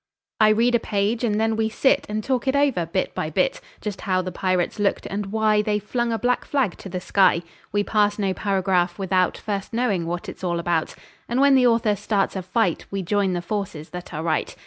I read a page, and then we sit And talk it over, bit by bit; Just how the pirates looked, and why They flung a black flag to the sky. We pass no paragraph without First knowing what it's all about, And when the author starts a fight We join the forces that are right.